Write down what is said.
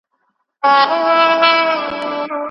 د څېړنې اصلي موخه باید د انعام ترلاسه کول نه وي.